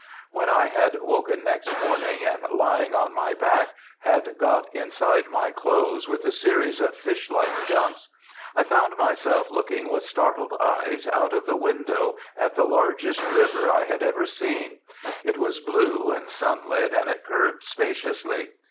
When I had woken next morning, and, lying on my back, had got inside my clothes with a series of fish like jumps, I found myself looking with startled eyes out of the window at the largest river I had ever seen. It was blue, and sunlit, and it curved spaciously.